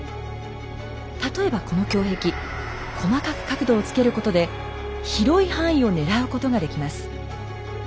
例えばこの胸壁細かく角度をつけることで広い範囲を狙うことができます。